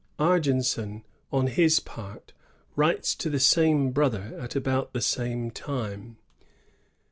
^ Argenson, on his part, writes to the same brother, at about the same time.